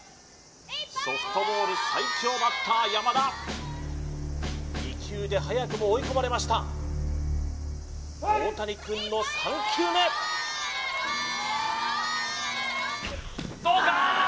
ソフトボール最強バッター山田２球で早くも追い込まれましたオオタニくんの３球目どうか！？